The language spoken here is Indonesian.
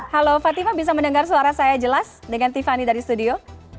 halo fativa bisa mendengar suara saya jelas dengan tiffany dari studio